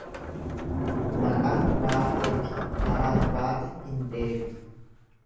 Maqaan baateefi karaan baate hin deebitu.